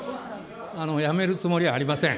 辞めるつもりはありません。